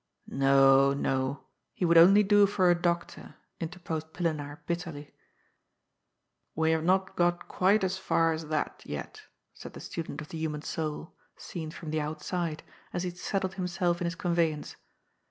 " No, no ; he would only do for a doctor," interposed Pillenaar bitterly. " We have not got quite as far as that yet," said the student of the human soul (seen from the outside), as he settled himself in his conveyance.